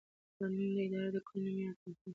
قانون د ادارې د کړنو معیار ټاکي.